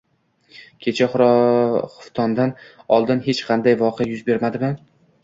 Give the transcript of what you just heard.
– Kecha xuftondan oldin hech qanday voqea yuz bermadimi?